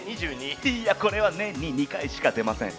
いや、これは年に２回しか出ません。